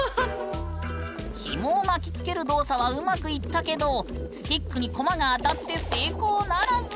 ヒモを巻きつける動作はうまくいったけどスティックにコマが当たって成功ならず。